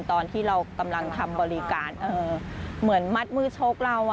ตอนที่เรากำลังทำบริการเหมือนมัดมือโชคเรา